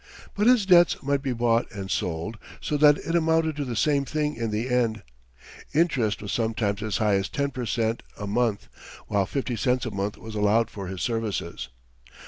But his debts might be bought and sold, so that it amounted to the same thing in the end. Interest was sometimes as high as ten per cent a month, while fifty cents a month was allowed for his services.